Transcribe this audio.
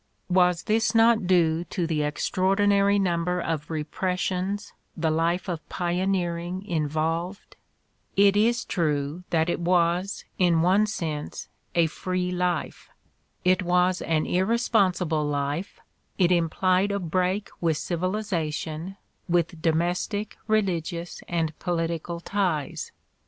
Was this not due to the extraordinary number of re pressions the life of pioneering involved? It is true Mark Twain's Humor 201 that it was, in one sense, a free life. It was an irre sponsible life, it implied a break with civilization, with domestic, religious and political ties.